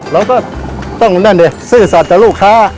เราก็ต้องนั่นเยอะซื่อสดจะลูกค้า